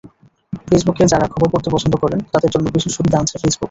ফেসবুকে যাঁরা খবর পড়তে পছন্দ করেন, তাঁদের জন্য বিশেষ সুবিধা আনছে ফেসবুক।